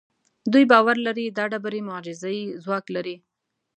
دوی باور لري دا ډبرې معجزه اي ځواک لري.